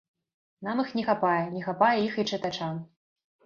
Нам іх не хапае, не хапае іх і чытачам.